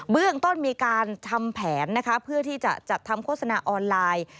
เรื่องต้นมีการทำแผนนะคะเพื่อที่จะจัดทำโฆษณาออนไลน์